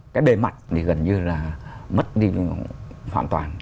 cái bề mặt thì gần như là mất đi hoàn toàn